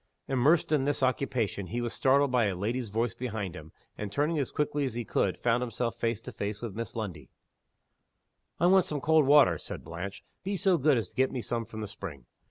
Immersed in this occupation, he was startled by a lady's voice behind him, and, turning as quickly as he could, found himself face to face with Miss Lundie. "I want some cold water," said Blanche. "Be so good as to get me some from the spring."